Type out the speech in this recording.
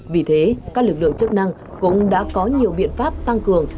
vì thế các lực lượng chức năng cũng đã có nhiều biện pháp tăng cường